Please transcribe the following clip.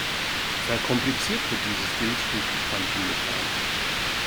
Verkompliziert wird dieses Bild durch die Quantenmechanik.